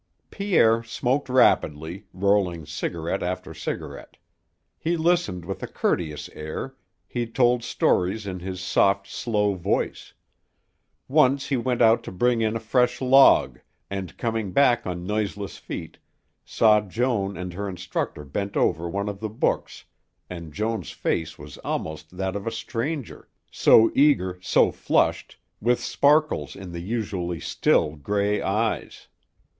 Pierre smoked rapidly, rolling cigarette after cigarette; he listened with a courteous air, he told stories in his soft, slow voice; once he went out to bring in a fresh log and, coming back on noiseless feet, saw Joan and her instructor bent over one of the books and Joan's face was almost that of a stranger, so eager, so flushed, with sparkles in the usually still, gray eyes.